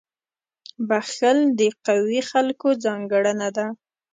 • بخښل د قوي خلکو ځانګړنه ده.